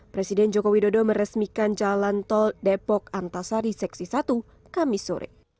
presiden joko widodo meresmikan jalan tol depok antasari seksi satu kami sore